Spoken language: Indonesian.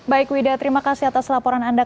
baik wida terima kasih atas laporan anda